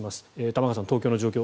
玉川さん、東京の状況